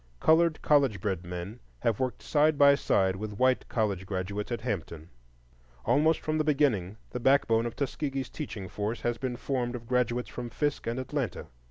Colored college bred men have worked side by side with white college graduates at Hampton; almost from the beginning the backbone of Tuskegee's teaching force has been formed of graduates from Fisk and Atlanta.